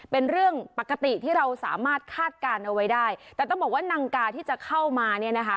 เป็นเรื่องปกติที่เราสามารถคาดการณ์เอาไว้ได้แต่ต้องบอกว่านังกาที่จะเข้ามาเนี่ยนะคะ